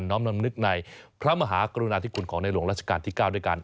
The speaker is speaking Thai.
น้อมนั่นนึกในพระมหาคุณาธิคุณของลวงราชกาลที่๙ด้วยกัน